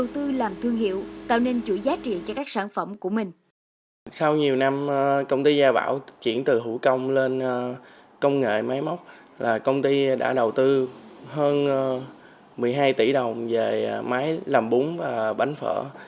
từ hữu công lên công nghệ máy móc công ty đã đầu tư hơn một mươi hai tỷ đồng về máy làm bún và bánh phở